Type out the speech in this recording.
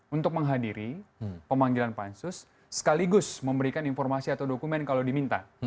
untuk menghadiri pemanggilan pansus sekaligus memberikan informasi atau dokumen kalau diminta